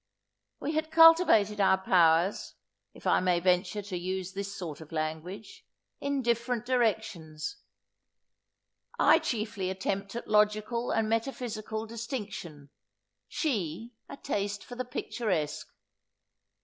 We had cultivated our powers (if I may venture to use this sort of language) in different directions; I chiefly an attempt at logical and metaphysical distinction, she a taste for the picturesque.